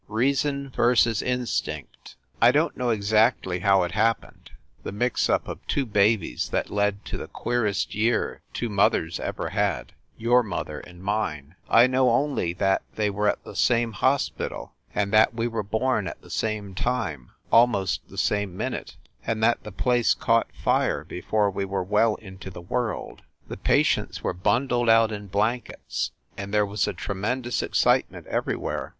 REASON VERSUS INSTINCT I don t know exactly how it happened the mix up of two babies that led to the queerest year two mothers ever had, your mother and mine. I THE BREWSTER MANSION 327 know only that they were at the same hospital, and that we were born at the same time, almost the same minute, and that the place caught fire before we were well into the world. The patients were bundled out in blankets, and there was a tremendous excitement everywhere.